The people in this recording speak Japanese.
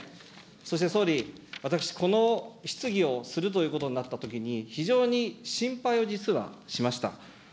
そして総理、私、この質疑をするということになったときに、非常に心配を実はしました。